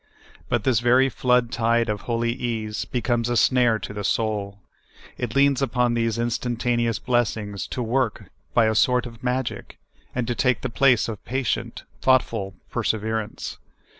But this very flood tide of holy ease becomes a snare to the soul. It leans upon these instantaneous blessings to work by a sort of magic, and to take the place of patient, thoughtful perseverance.